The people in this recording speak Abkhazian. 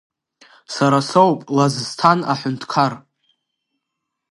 Сара соуп Лазсҭан аҳәынҭқар.